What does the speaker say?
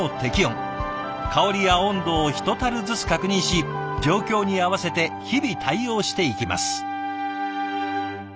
香りや温度をひとたるずつ確認し状況に合わせて日々対応していきます。